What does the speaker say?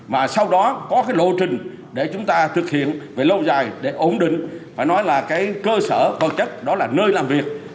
mà sau đó có cái lộ trình để chúng ta thực hiện về lâu dài để ổn định phải nói là cái cơ sở vật chất đó là nơi làm việc